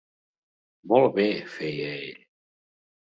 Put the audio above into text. Molt bé! —feia ell.